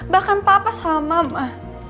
bahkan papa sama mama